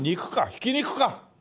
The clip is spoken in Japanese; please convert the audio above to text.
ひき肉か。